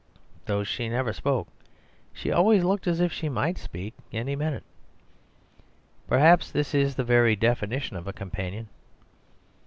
Though she never spoke she always looked as if she might speak any minute. Perhaps this is the very definition of a companion.